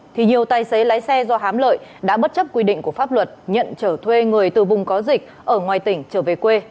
thì nhiều tài xế lái xe do hám lợi đã bất chấp quy định của pháp luật nhận trở thuê người từ vùng có dịch ở ngoài tỉnh trở về quê